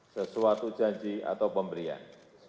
sesuatu janji atau pemberian